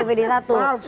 palsu nanti begitu adalah